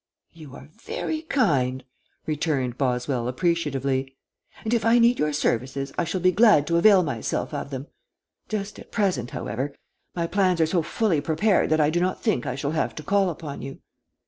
"You are very kind," returned Boswell, appreciatively, "and if I need your services I shall be glad to avail myself of them. Just at present, however, my plans are so fully prepared that I do not think I shall have to call upon you.